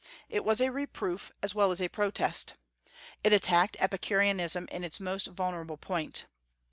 It was a reproof as well as a protest. It attacked Epicureanism in its most vulnerable point.